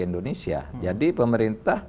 indonesia jadi pemerintah